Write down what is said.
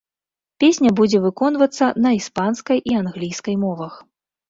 Песня будзе выконвацца на іспанскай і англійскай мовах.